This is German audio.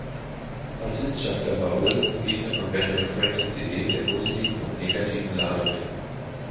Als Wissenschaftler war Wilson Gegner von Benjamin Franklins Idee der positiven und negativen Ladungen.